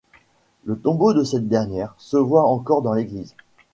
Le tombeau de cette dernière se voit encore dans l'église.